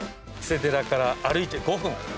長谷寺から歩いて５分。